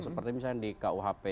seperti misalnya di kuhp